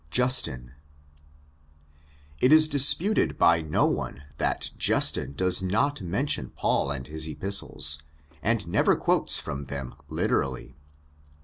Justin. It is disputed by no one that Justin does not mention Paul and his Epistles, and never quotes from them literally.